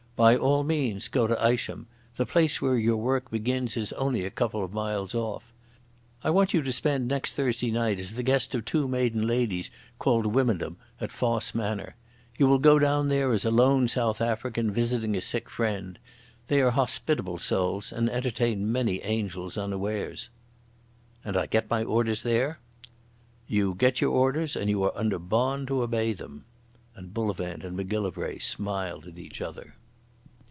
"By all means go to Isham. The place where your work begins is only a couple of miles off. I want you to spend next Thursday night as the guest of two maiden ladies called Wymondham at Fosse Manor. You will go down there as a lone South African visiting a sick friend. They are hospitable souls and entertain many angels unawares." "And I get my orders there?" "You get your orders, and you are under bond to obey them." And Bullivant and Macgillivray smiled at each other.